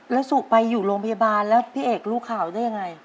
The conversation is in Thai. แล้วสุไปอยู่โรงพยาบาลแล้วพี่เอกรู้ข่าวได้ยังไง